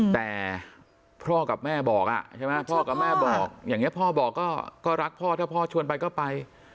แต่พ่อกับแม่บอกใช่ไหมพ่อกับแม่บอกอย่างนี้พ่อบอกก็รักพ่อถ้าพ่อชวนไปก็ไป